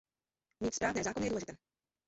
Mít správné zákony je důležité.